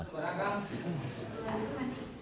kepergok mencuri sepeda milik korban